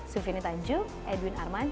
sufini tanjuk edwin arman